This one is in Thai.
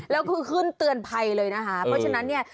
แล้วคือขึ้นเตือนภัยเลยนะคะเพราะฉะนั้นเนี่ย